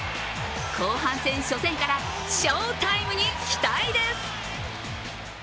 後半戦初戦から翔タイムに期待です。